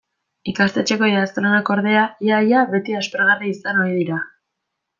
Ikastetxeko idazlanak, ordea, ia-ia beti aspergarri izan ohi dira.